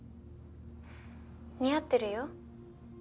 似合ってるよ。